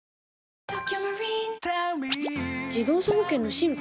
自動車保険の進化？